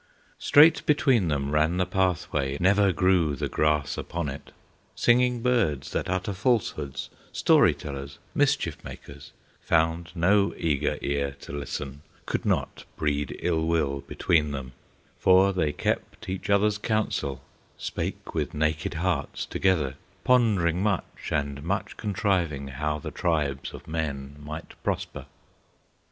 Straight between them ran the pathway, Never grew the grass upon it; Singing birds, that utter falsehoods, Story tellers, mischief makers, Found no eager ear to listen, Could not breed ill will between them, For they kept each other's counsel, Spake with naked hearts together, Pondering much and much contriving How the tribes of men might prosper.